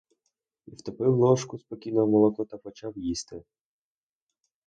І втопив ложку спокійно в молоко та почав їсти.